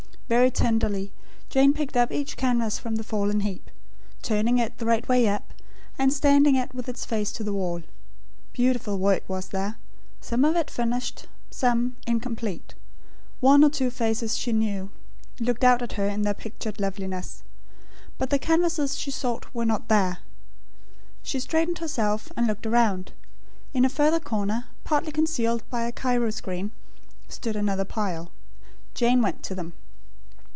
Very tenderly, Jane picked up each canvas from the fallen heap; turning it the right way up, and standing it with its face to the wall. Beautiful work, was there; some of it finished; some, incomplete. One or two faces she knew, looked out at her in their pictured loveliness. But the canvases she sought were not there. She straightened herself, and looked around. In a further corner, partly concealed by a Cairo screen, stood another pile. Jane went to them.